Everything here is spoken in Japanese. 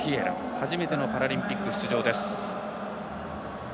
初めてのパラリンピック出場です。